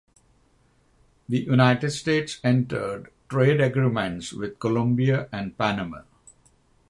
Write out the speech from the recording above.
The United States entered trade agreements with Colombia and Panama.